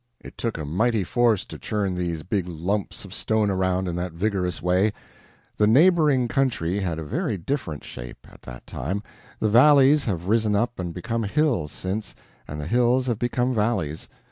It took a mighty force to churn these big lumps of stone around in that vigorous way. The neighboring country had a very different shape, at that time the valleys have risen up and become hills, since, and the hills have become valleys.